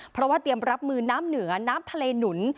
เพราะว่าเตรียมรับมือน้ำเหนือน้ำทะเลหนุน